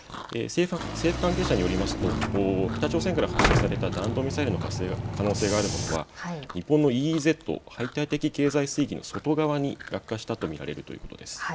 政府関係者によりますと北朝鮮から発射された弾道ミサイルの可能性があるものは日本のＥＥＺ・排他的経済水域の外側に落下したと見られるということです。